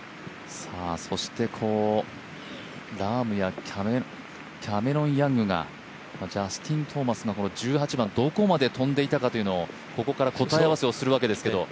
そしてラームやキャメロン・ヤングがジャスティン・トーマスがこの１８番どこまで飛んでいたかというのを、ここから答え合わせするわけですけども。